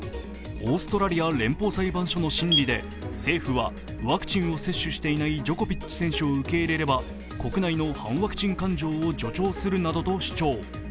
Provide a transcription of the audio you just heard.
オーストラリア連邦裁判所の審理で政府は、ワクチンを接種していないジョコビッチ選手を受け入れれば国内の反ワクチン感情を助長するなどと主張。